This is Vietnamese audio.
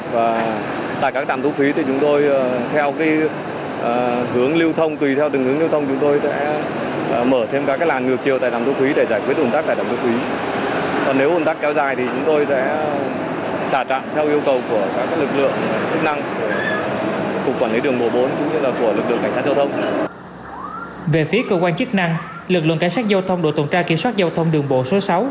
về phía cơ quan chức năng lực lượng cảnh sát giao thông đội tổng tra kiểm soát giao thông đường bộ số sáu